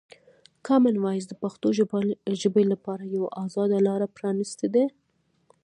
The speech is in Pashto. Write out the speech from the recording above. کامن وایس د پښتو ژبې لپاره یوه ازاده لاره پرانیستې ده.